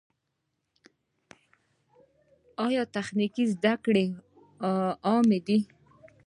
آیا تخنیکي زده کړې عامې دي؟